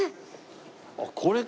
ああこれか。